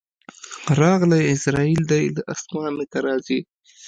راغلی عزراییل دی له اسمانه که راځې